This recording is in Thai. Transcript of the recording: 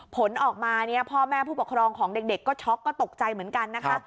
ผลออกมาเนี่ยพ่อแม่ผู้ปกครองของเด็กก็ช็อกก็ตกใจเหมือนกันนะคะ